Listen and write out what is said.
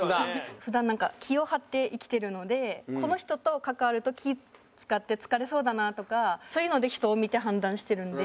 普段なんか気を張って生きてるのでこの人と関わると気ぃ使って疲れそうだなとかそういうので人を見て判断してるんで。